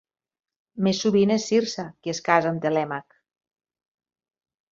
Més sovint és Circe qui es casa amb Telèmac.